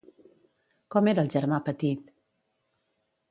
Com era el germà petit?